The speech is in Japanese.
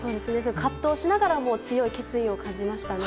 葛藤しながらも強い決意を感じましたね。